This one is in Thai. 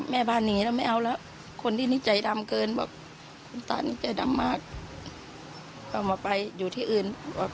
แม่บ้านหนีแล้วไม่เอาแล้วคนที่นี่ใจดำเกินบอกคุณตานี่ใจดำมากก็มาไปอยู่ที่อื่น